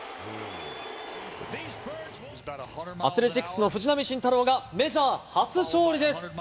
アスレチックスの藤浪晋太郎が、メジャー初勝利です。